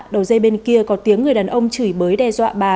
đầu dây bên kia có tiếng người đàn ông chửi bới đe dọa bà